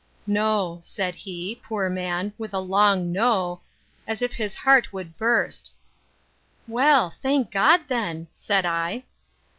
—No—said he, poor man! with a long N—o, as if his heart would burst. Well, thank God then! said I.